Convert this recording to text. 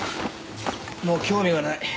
もう興味がない。